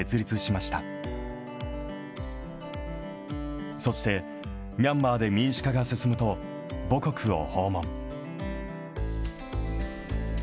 そしてミャンマーで民主化が進むと、母国を訪問。